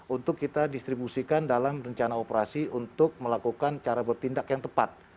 untuk kita distribusikan dalam rencana operasi untuk melakukan cara bertindak yang tepat